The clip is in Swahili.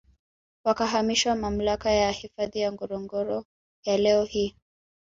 Wakahamishiwa Mamlaka ya Hifadhi ya Ngorongoro ya leo hii